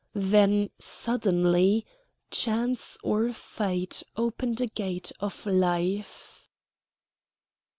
Then suddenly chance or Fate opened a gate of life.